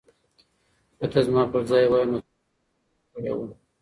که ته زما په ځای وای، نو څه پرېکړه به دې کړې وه؟